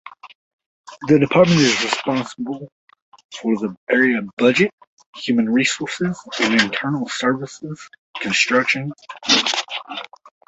The department is responsible for the areas "budget", "human resources" and "internal services, construction".